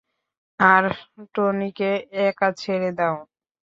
আর টনিকে একা ছেড়ে দাও।